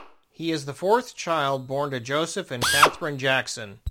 He is the fourth child born to Joseph and Katherine Jackson.